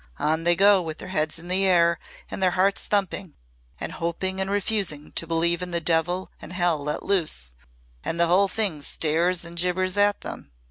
On they go with their heads in the air and their hearts thumping, and hoping and refusing to believe in the devil and hell let loose and the whole thing stares and gibbers at them."